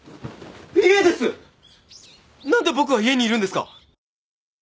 何で僕は家にいるんですか！？